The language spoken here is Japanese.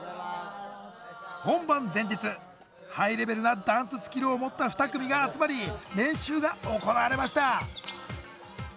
ハイレベルなダンススキルを持った２組が集まり練習が行われました。